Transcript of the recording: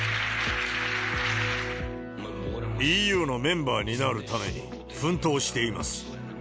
ＥＵのメンバーになるために、奮闘しています。